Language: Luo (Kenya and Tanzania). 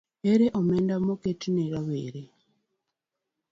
ohero omenda moketi ne rowereB.